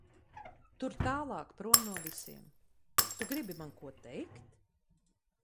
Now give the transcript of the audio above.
Tur tālāk prom no visiem. Tu gribi man ko teikt?